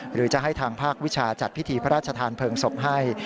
หรือจะให้ทางภาควิชาจัดพิธีพระราชทานเพลิงศพให้